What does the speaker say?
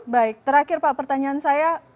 baik terakhir pak pertanyaan saya